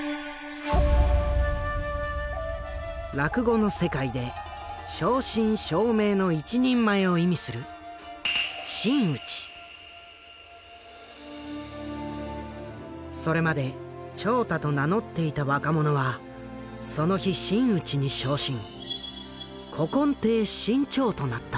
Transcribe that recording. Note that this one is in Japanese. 落語の世界で正真正銘の一人前を意味するそれまで「朝太」と名乗っていた若者はその日真打ちに昇進「古今亭志ん朝」となった。